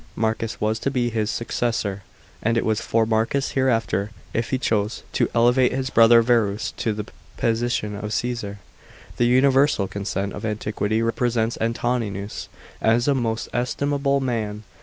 Marcus was to be his successor ; and it was for Marcus hereafter, if he chose, to elevate his brother Verus to the position of Caesar. 524 PK1NCIPATE OF ANTONINUS PIUS. CHAP, xxvn § 2. The universal consent of antiquity represents Antoninus as a most estimable man.